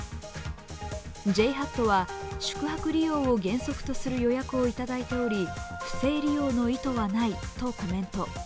ＪＨＡＴは宿泊利用を原則とする予約をいただいており不正利用の意図はないとコメント。